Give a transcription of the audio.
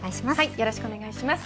よろしくお願いします。